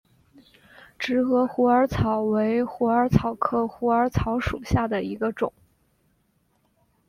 直萼虎耳草为虎耳草科虎耳草属下的一个种。